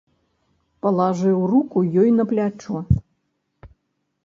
Палажыў руку ёй на плячо.